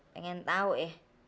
pengen tahu ya